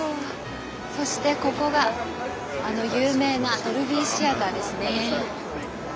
そしてここがあの有名なドルビーシアターですね。